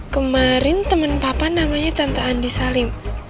kemarin teman papa namanya tante andi salim